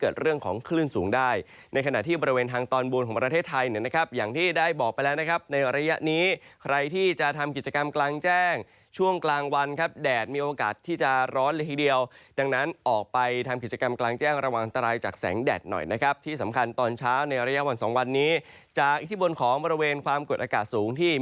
เกิดเรื่องของคลื่นสูงได้ในขณะที่บริเวณทางตอนบนของประเทศไทยเนี่ยนะครับอย่างที่ได้บอกไปแล้วนะครับในระยะนี้ใครที่จะทำกิจกรรมกลางแจ้งช่วงกลางวันครับแดดมีโอกาสที่จะร้อนเลยทีเดียวดังนั้นออกไปทำกิจกรรมกลางแจ้งระวังตรายจากแสงแดดหน่อยนะครับที่สำคัญตอนเช้าในระยะวันสองวันนี้จากอิทธิพลของบริเวณความกดอากาศสูงที่